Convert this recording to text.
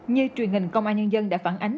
như truyền hình công an nhân dân đã phản ánh